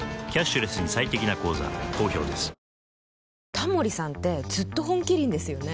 タモリさんってずっと「本麒麟」ですよね。